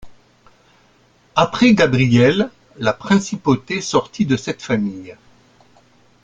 Après Gabriel, la principauté sortit de cette famille.